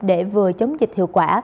để vừa chống dịch hiệu quả